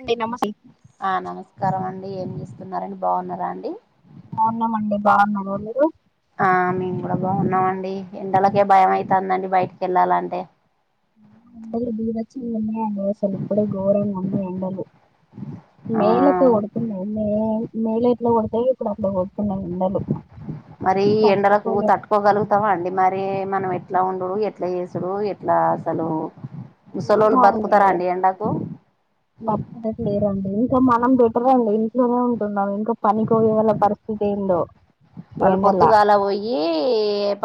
అండి నమస్తే ఆ నమస్కారం అండి ఏం చేస్త న్నారండి బాగున్నారా అండి. బాగున్నామండి బాగున్నార మీరు ఆ మేము కూడా బాగున్నామండి ఎండలకే భయం అయితాందండి బయటికి వెళ్ళాలంటే ఎండలు బీబచ్చంగా ఉన్నయండి అసలు ఇప్పుడే ఘోరంగున్నయ్ ఎండలు ఆ మే లతో కొడుతున్నాయ్ మేల మేలో ఎట్లా కొడతాయో ఇప్పుడు అట్లా కొడుతున్నాయి ఎండలు మరీ ఎండలకు తట్టుకోలేం తట్టుకోగలుగుతావా అండి మరీ మనం ఎట్లా ఉండుడు ఎట్ల చేసుడు ఎట్లా అసలు ముసలోళ్ళు ఏమోండి బతుకుతారా అండి ఎండకు ండి ఇంకా మనం బెటరే అండి ఇంట్లోనే ఉంటున్నాం ఇంకా పనికిపోయ్యే వాళ్ళ పరిస్థితి ఏందో ఈ వాళ్ళు ఎండల పొద్దుగా అలా పోయి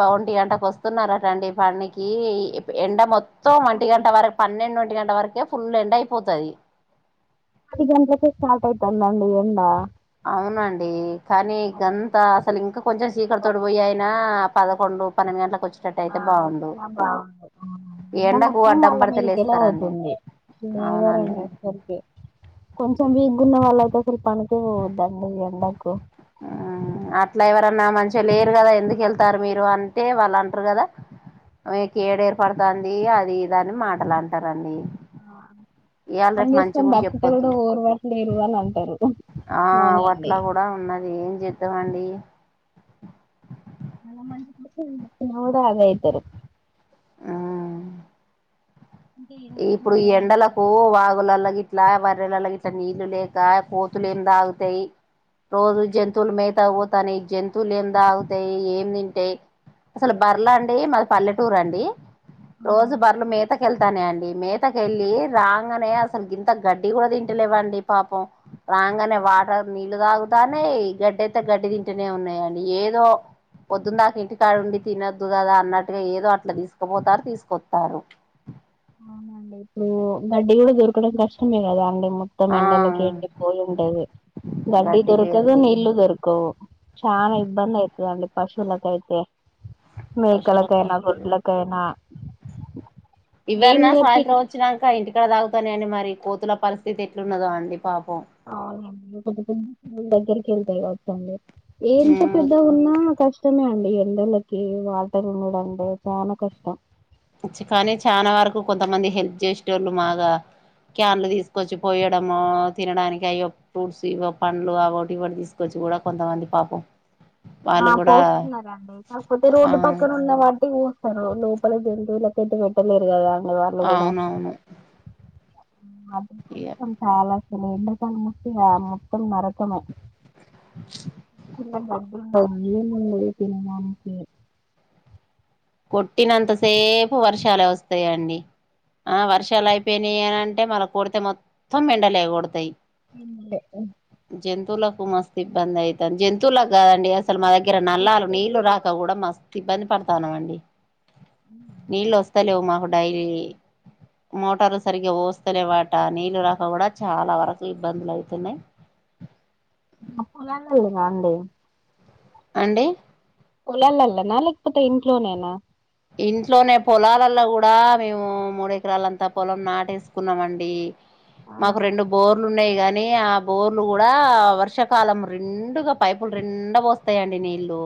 పవంటి అంట వస్తున్నారటండి వాడినికి ఎండ మొత్తం మంటి గంట వరకు పన్నెండు ఒంటి గంట వరకే ఫుల్ ఎండ అయిపోతుది ఆది గంటక స్టార్ట్ అయితుంద అండి ఎడా అవునండి కానీ ఇంకంతా అసలు ఇంకా కొంచెం సీకర్ తోడి పోయాయనా పదకొండు పదింళలకు వచ్చి ఆ ఈ బాగు ఎండకు మొత్తం అడ్డం వాళ్ళ పడితే మీదకిల లేస్తారండి అవుతుంది అవునండి లేవరండి అసరికి కొంచెం బీగగున్న వాళ్ళయితే చి పనకిదం ఉకు అట్లా ఎవరన్నా మంచిగా లేరు కదా ఎందుకు వెళ్తారు మీరు అంటే వాళ్ళు అంటారు కదా మీకు ఏడ ఏర్పడుతుంది అది దాన్ని మాటలు అంటారండి ఆ ఇవాళ అన్న రేపు మంచి చేసుకొని కూడా భతతే చెప్పొద్దు కూడా ఓరు వాట్లురు వాళ అంటారు అవునండి ఎంతవంటిడి మంచి కూడా కూడా ఆగాద్దారు ఆ ఇంకా ఏం ఇప్పుడు చేస్తున్నారండి ఎండలకు వాగులలా ఇట్లా వర్రెలలో గ ఇట్లా నీళ్లు లేక కోతులు ఏమి తాగుతాయి రోజు జంతువులు మేతా పోతాను జంతువులు ఏం తాగుతాయి ఏం తింటాయి అసలు బర్లా అండి మా పల్లెటూరు అండి ఆ రోజు బర్లు మే త వెళ్తానే అండి మేతక వెళ్ళి రాగానే అసలు గింత గడ్డి కూడా తింటలేవండి పాపం రాగానే వాటర్ నీళ్ళు తాగుతానే గడ్డి అయితే గడ్డి తింటూనే ఉన్నాయంండి ఏదో పొద్దున్న దాక ఇంటికాడుండి తినొద్దు కదా అన్నట్టుగా ఏదో అట్లా తీసుకుపోతారు తీసుకొస్తారు అవునండి ఇప్పుడు గడ్డి కూడా దొరకడం కష్టమే కదా అండి మొత్తం ఆ ఎండలకి వెళ్ండి పోలి ఉండేది గడ్డి దొరకదా నీళ్లు దొరకవు చాలా ఇబ్బంది అవుతుందిండి పశులగాయితే పశువులకు మేకలకైనా మస్తు గుొడ్లకైనా ఇవ్వరన్నా తిండి సాయంత్రం వచ్చినాంక ఇంటికి ఇక్కడ తాగుతాడి మరి కోతుల పరిస్థితి ఎట్లున్నదో అండి పాపం దగ్గర కెల్తెకదా అర్థమయె ఎంత ఉమ్ పెద్దగున్నా కష్టం ష్టమే అండి ఇళ్ళల్లోకి వాటర్ ఉండడం అబ్బొ చానా కష్టం కానీ చానా వరకు కొంతమంది హెల్ప్ చేసేటోళ్ళు మాగా క్యాన్లు తీసుకొచ్చి పోయడము తినడానికి అయ్యో ఫ్రూట్స్ ఇ పండ్లు అవొటి ఇవొటి తీసుకొచ్చి కూడా కొంతమంది పాపం ఆ వాళ్ళు కూడా పోస్తున్నారండి కాకపోతే ఆ రోడ్డు పక్కన ఉన్న వాటికి పోస్తారు లె [unintelligible] పెటలేరుగదా అవునవును అది ఇగ కష్టం చాలా ఇంతకు ముందు మొత్తం మొత్తం మార కొమ [unintelligible] భయ్యం లేదు పినమామకి కొట్టినంత సేప్ ఎక్కువ్ వర్షాలే వస్తాయండి ఆ వర్షాలు అయిపోయినయంటే మళ కొడితే మొత్తం ఎండలేకొడతయి ఉమ్ [unintelligible] జంతువులకు మస్తు ఇబ్బంది అయితంది జంతువులకు కాదండి అస్ సలు మా దగ్గర నల్లాలు మనుషులకు నీళ్లు గూడా రాక కూడా మస్త్ ఇబ్బంది పడతా ఉన్నవ్ అండి నీళ్ళొస్తాలేవు మా కూ డైలీ మోటార్లు సరిగ్గా ఓస్తాలేవటా నీళ్ళు రాక కూడా చాలా వరకు ఇబ్బందులు అయితన్నాయ్ పొలాలే లేవా అండి అండి పొలాలలొనా లేకపోతే ఇంట్లోనేనా ఇంట్లోనే పొలాలలో కూ డా మేము మూడెకరాలంతా పొలం నాటేసుకున్నామండి మాకు ఆ! రెండు బోర్లు ఉన్నాయి గాని నీ ఆ బోర్లు కూడా వర్షాకాలం నిండుగా పైపులు నిండా పోస్తాయండి నీళ్లు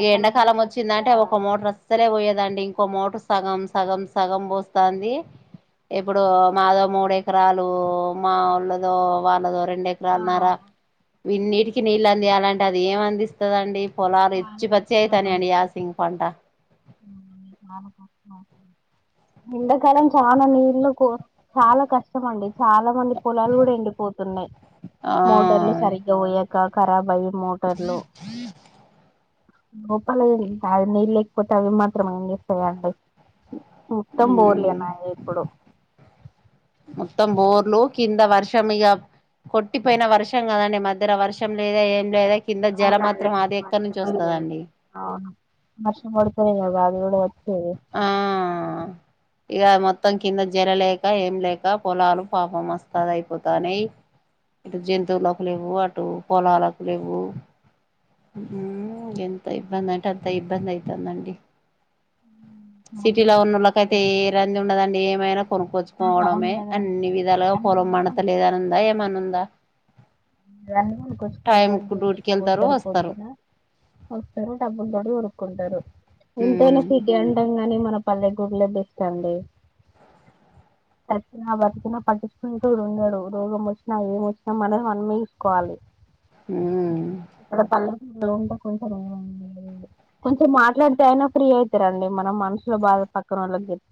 ఈ ఎండాకాలం వచ్చిందంటే ఒక మోటర్ లే పోయదండి ఇంకో మోటర్ సగం సగం సగం పోస్తాంది ఇప్పుడు మాదో మూడు ఎకరాలు మాళ్ళదో వాళ్ళదో రెం రెండు ఎకరన్నర విన్నీటికి నీళ్ళందియాలంటే అది ఏం అందిస్తదండి పొలాలు ఇచ్చి పచ్చిగైతన్నయండి యాసింగ పంట ఎండాకాలం చాలా నీళ్ళు చాలా కష్టం అండి చాలా మంది పొలాలు కూడా ఎండిపోతున్నాయి ఆ మోటార్ లో సరిగ్గా పోయాక కరాబ్బయీ మోటర్లూ గోపాల నీళ్ళ లేకపోతే అవి మాత్రం ఏం జెస్తాయండి మొత్తం బోర్లేనాయి ఇప్పుడు మొత్తం బోర్లు కింద వర్షం ఇక కొట్టిపోయిన వర్షం కదండి మధ్యర వర్షం లేదా ఏం లేదా కింద జల మాత్రం అది ఎక్కడి అవునునండి నుంచి వస్తదండి వర్షడతుర ఇ ఆ ఇక మొత్తం కింద జల లేక ఏం లేక పొలాలు పాపం మస్తద అయిపోతానే ఇటు జంతువులకు లేవ్వు అటు పొలాలకు లేవ్వు ఉమ్ ఎంత ఇబ్బంది అంటే అంత ఇబ్బంది అయితుందండి సిటీలో ఉన్నళ్ళక అయితే ఏ రంది ఉండదండి ఏమైనా ఆహా కొనుక్కొచ్చుకోవడమే ఉండదండి అన్ని విధాలుగా పొలం అన్ని మండతలేదనిందా ఏమనుందా ర కొంచ కు డ్యూటీకి [unintelligible] వెళ్తారు కొట్టారు పోద్ వస్తారు న వస్తారు డబ్బులు కుంటరు ఎంతైనా ఉమ్ సిటీ అంటం గాని మన పల్లెటూర్లే బెస్ట్ అండి చచ్చిన బతికిన పట్టించుకుంతోడుండడు రోగం వచ్చినా ఏం వచ్చినా మన మన్మేచుకోవాలి ఉమ్ ఇక్కడ పల్లె ంటే కొంచెం ఏం కొంచెం మాట్లాడితే అయినా ఫ్రీ అవుతారండి మనం మనసులో బాధ పక్కన వాళ్ళకి చెప్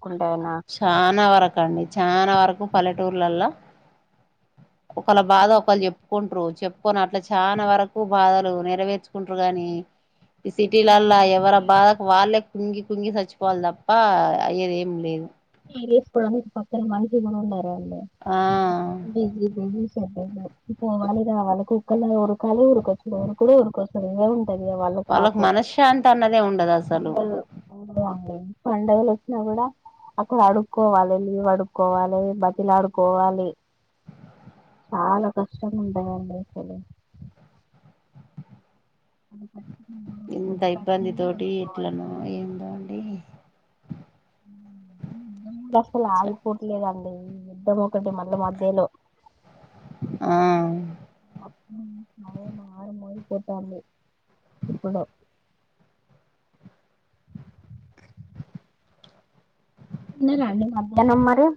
చానా వరకు అండి చానా వరకు పలెటూర్లల్ల ఒకళ్ళ బాధ ఒకల్ చెప్ ప్పుకుంట్రూ చెప్పుకొని అట్లా చాన వరకు బాధలు నెరవేర్చుకుంట్రూ గాని ఈ సిటీలల్లా ఎవర బాధకు వాళ్ళే కుంగి కుంగి చచ్చిపోవాలి తప్ప అయ్యేదేం లేదు ఇగ ఇప్పుడు పక్కన మనిషి కూడా ఉండరండి ఆ బిజీ బిజీ షెడ్యూల్ పోవాలి రావాలి కుక్కల్లగా ఉరుకాలి ఉరుకోచ్చుడు ఉరుకుడు ఊరుకోచ్చుడు ఇదే ఉం వాళ్ళకు మనశ్శాంతి అన్నదే ఉండదసలు పండుగలోచ్చినా కూడా అక్కడ అడుక్కోవాలి లీవ్ అడుక్కోవాలే బతిలాడుకోవాలి చాలా కష్టం ఉంటాయండి అసలు అ ఇంత ఇబ్బంది తోటి ఎట్లనో మళ్ళీ ఏందో అండి అసలు ఆగిపోట్లేదండి ఈ యుద్ద్దం ఒకటి మళ్ళ మధ్యలో ఆ అప్ అదే ఆడ మొయి పోతాంది ఇప్పుడు తిన్నరండి మధ్యాహ్నం మరి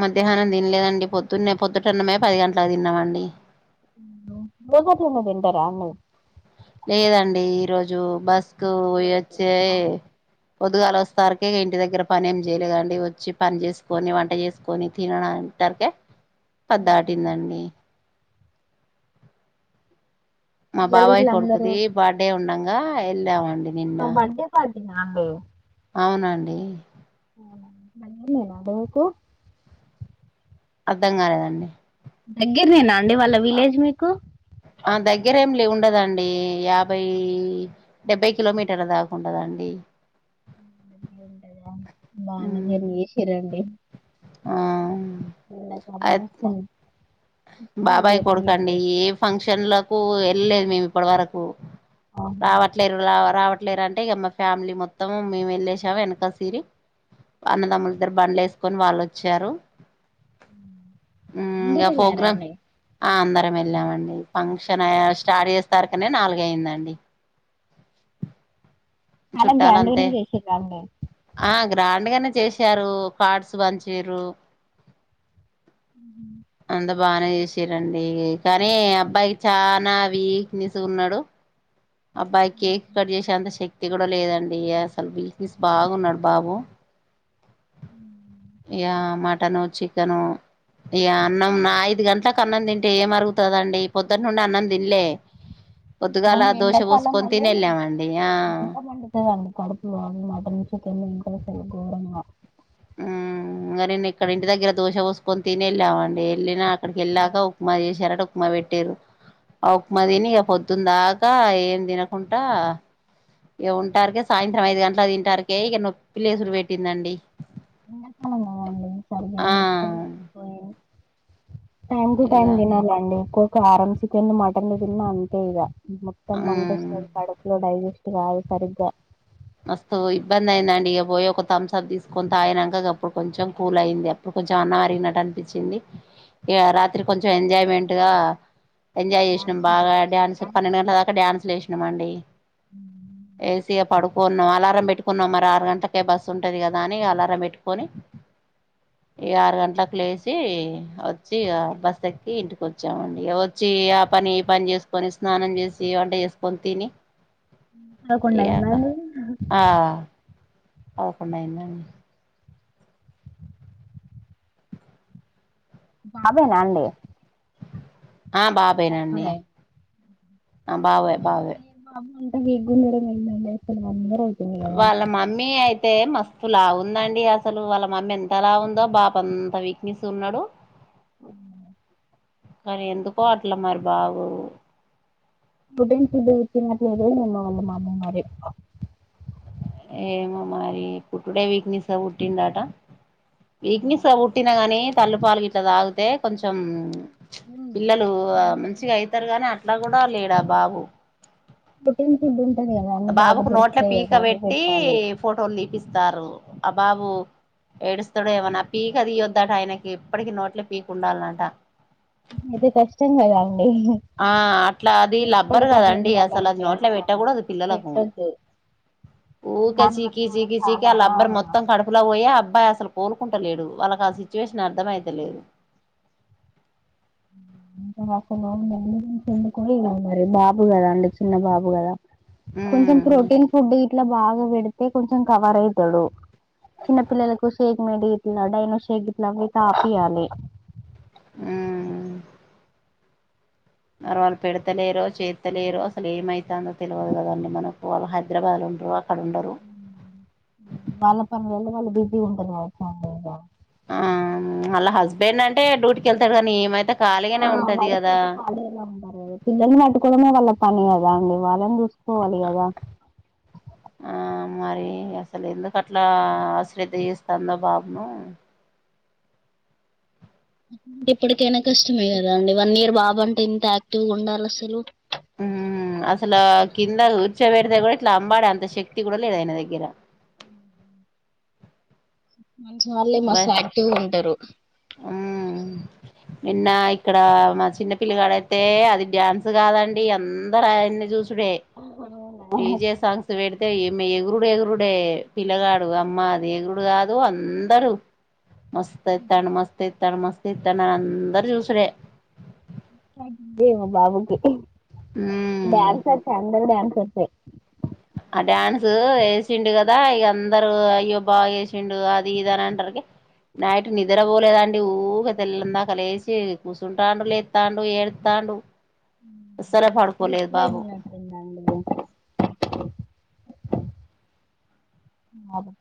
మధ్యాహ్నం తినలేదండి పొద్దున్నే పొద్దటన్నమే పది గంట్లకు తిన్నామండి రోజట్లనే తింటారా అండి లేదండి ఈరోోజు బస్ కు పోయెచ్చే పొందుగలోచ్చేసరికిఇగ ఇంటి దగ్గర పని ఏం చేయలేకదండి వచ్చి పని చేసుకొని వంట చేసుకొని తినడం అంటారుకే పద్దటిందండి మా బాబాయ్ కొడుకుది బర్త్ డే ఉండంగ ఆ ఎల్లామండి బర్త్ డే పా అంద [unintelligible] అవునండి మేనా బకు [unintelligible] అర్ధం కాలేదండి దగ్గర నేనా అండి వాళ్ళ విలేజ్ మీకు ఆ దగ్గరేమి లే ఉండదండి యాభై డెబ్బై కిలోమీటర్ల దాకా ఉంటదండి ంట బన ఉమ్, చెరి శరడి [unintelligible] ఆ అయి- అసం [unintelligible] బాబాయ్ కొడుకండి ఏ ఫంక్షన్ ఫంక్షన్లకు వెళ్ళలేదు మేము ఇప్పటి వరకు రావట్లేరు రా రావట్ లేరంటే ఇక మా ఫ్యామిలీ మొత్తం మేము వెళ్లేసాము వెనకల సిరి అన్నదమ్ములిద్దరు బండ్లు వేసుకొని వాళ్ళోచ్చారు అందరు అ వెళ్ళారా పోగ్రామ్ అండి ఆ అందా వెళ్ళామండి ఫంక్షన్ స్టార్ట్ చేసే సరకనే నాలుగ అయిందండి చాలా చుట్టాలు గ్రాండ్ అంతే గానే చేసిరండి ఆ గ్రాండ్గానే చేసారు కార్డ్స్ పంచిరు అ బాగానే చేసిరండి కానీ అబ్బాయి చానా వీక్ నెస్ గ ఉన్నాడు అబ్బాయి కేక్ కట్ చేసే అంత శ తిగడం లేదండి అసలు విీక్నెస్ బాగున్నాడు బాబు యా మా మటను చికెను ఇగ అన్నం ఐదు గంటలకు అన్నం తింటే ఏం అరుగుతదండి పొద్దున్న నుండి అన్నం తిన్లే పొద్దుగాల అవును దోశ ఎండాకాలం పోసుకొని తిని మళ్ళీ వెళ్ళామండి ఆ మంట మండుతదండి కడుపులో మటన్ చికెన్ ఎముకలు కోమ [unintelligible] ఉ మరిేను ఇక్కడ ఇంటి దగ్గర దోశ పోసుకొని తిని వెళ్ళామండి వెళ్ళి నాక అక్కడికి ఎల్లాక ఉప్మా చేశారట ఉప్మా పెట్టిరు ఆ ఉప్మా తిని ఇక పొద్దున్న దాకా ఏం తినకుండా ఇక ఉంటారుక సాయంత్రం ఐదు గంటల తింటారుకే ఇక నొప్పి లేసురు పెట్టిందండి ఎ సనమ అ సరి ఆ మొత్త వెపోయి [unintelligible] టైమ్ టటు ఇగ టైమ్ దిన లాండి కారం చికెన్ మటన్ లు తిన్న అంతే ఇగ మొత్తం మంట ఉమ్ వస్తది కడపులో డైజెస్ట్ కాదు సరిగ్గా మస్తు ఇబ్బంది అయిందండిక పోయి ఒక థమ్స్ అప్ తీసుకొని తాయినగా గప్ ప్పుడు కొంచెం కూల్ అయింది అప్పుడు కొంచె అ గినట్టు అనిపించింది ఇక రాత్రి కొంచెం ఎంజాయ్మెంట్ గా ఎంజాయ్ చేసినాం బాగా డాన్స్ పన్నెండు గంటల దాకా డన్స్లు చేసినం న మండి ఏసీయా పడు న్నాం అలారం పెట్టుకున్నాం మరి ఆరు గంటలకే బస్ ఉంటది కదా అని అలారం పెట్టుకొని ఈ ఆరు గంటలకు లేచసి వచ్చి బస్ ఎక్కి ఇంటిక వచ్చామండి వచ్చి ఆ పని పని చేసుకొని స్నానం చేసి వంట చేసుకొని తిని పదకొండు ఇగ అయిందా ఆ పదకొండు అయిందా బాబేనా అండి ఆ బాబే నండి బర్త్డే ఆ బాబు మెగుండడమే దో మేం ఏసుకుని అందరితో వాళ్ళ మమ్మీ అయిత్ తే మస్తు లా ఉందండి అసలు వాళ్ళ మమ్మీ ఎంతలా ఉందో బాబు అంత వీక్నెస్ ఉన్నాడు అ కానీ ఎందుకో అట్లా మరి బాబు ఫుడ్ కూడా తినట్లేదు అని మా అమ్మ అన్నది ఏమో మరి పుట్డే వీక్నెస్ పుట్టిండా ట వీక్నిె స్ గా బుట్టి నా గానీ తల్లిపా లు ఇట్లా తాగితే కొంచెం పిల్లలు మంచిగా అయితారు గాని అట్లా కూడా లేడ బాబు పుట్టి న్ బి బాబుకు నోట్ల పీక పెట్టి పెట్టాలి ఫోటోలు తీపిస్తారు అబ్బాబు ఎడ్ ఉస్ తడే మోనీ ఆ పీక తీయొదట ఆయనకి ఎప్పటికిీ నోట్లే పీక్ ఉండాలంట ఇది కష్టంగాద ఆ అట్లా అది లబ్బర్ కదండి అసలు అది నోట్ల పెట్టా కూడదు పిల్లలకు ఊకే చీకి చీకీ చీకి ఆ లబ్బర్ మొత్తం కడుపులో పోయి అబ్ బ్బాయి అసలు కోలుకుంటలేడు వాళ్ళకి ఆ సిచ్చువేషన్ అర్థమైతలేదు. బాబు కదా అండి చిన్న బాబు కదా. కొంచెం ఉమ్ ప్రోటీన్ ఫుడ్ ఇట్ల బా కు పెడితే కొంచెం కవర్ ఐతడు, చిన్న పిల్లలకు షేక్ మీడి తినడైనో షేక్ గిట్ల అవి తాపియాలి. ఉ ఆరాళ్ళ్ పెడతలేరు చేత్తలేరు అసలు ఏమైతాందో తెలవదు కదండి, మనకు వాళ్ళ హైద్రాబాద్ లో ఉంట్రు. వాళ్ళ పని విల్ వాళ్ళు బిజీ ఉంటరు కావచ్చ అండి ఇగ ఆ ఆల్ల హస్బెండ్ అంటే డుట్కిళ్తారుకనీ ఇమైతె ఆ వైఫైతే ఖాళిగా ఉంన్నరు, పిల్లల్ని నట్టుకోవమే వాళ్ళ పని కదా అండి వాళ్ళని చూ పోవాలిగదా. ఆ మరి అసలు ఎందుకట్లా అశ్రద్ధ ఎస్తాందో బాబ్ను ఇప్పటికైనా కష్టమే కదా అండి, వన్ ఇయర్ బాబు అంటే ఇంత యాక్టివ్గా ఉండాల అస్సలు ఉ అసలా కింద కూర్చోబెడితే కూడా ఇట్ల అంబాడె అంత శక్తి కూడా లేదు ఆయన దగ్గర మంచి మాళ్ళే మస్సు యాక్టివ్ ఉంటరు. హు, నిన్న ఇక్కడ మా చిన్న పిల్లకాడయితే అది డ్యాన్స్ కాదండి అందరు ఆయన్ని చూస్ రె, డిజే సాంగ్స్ వే తే ఇమె ఎగురుడు ఎగురుడే పిల్లగాడు అమ్మా అది ఎగురుడు కాదు అం దరు మస్స్ తైతన్ మస్స్ తై త్తన్ మస్త్ తెత్తన్ అని అందరు చూసుడే ఏమ బాబుకి ఉమ్ డాన్సొచ్చ అందరు డాన్స్ సయ్ ఆ డ్యాన్సు ఏసిండు కదా ఇక అందరు అయ్యో బా ఏసిండు అది ఇది అని అంటర్రకి, నైట్ నిదరపోలేదండి ఊకె తెల్లందాక లేసి కూస్సుంటాడు, లేత్తాడు ఏడుత్తాండు. అస్సలే దిష్టి పడుకోలేదు బాబు పెట్నట్టుంది ఇగ అ